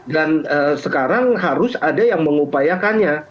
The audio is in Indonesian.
dan sekarang harus ada yang mengupayakannya